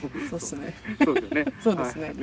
そうですね。